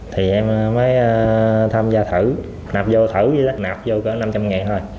thì em mới tham gia thử nạp vô thử nạp vô khoảng năm trăm linh nghìn thôi